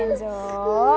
tante jangan pagi